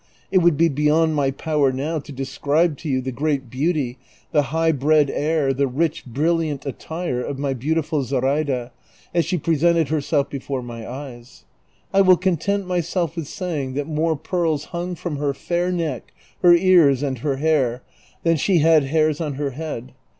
It would be beyond my power now to describe to you the great beauty, the high bred air, the ricli brilliant attire of my beloved Zora ida as she presented herself before my eyes. I will content myself with saying that more ])earls hung from her fair neck, her ears, and her hair than she had hairs on her head.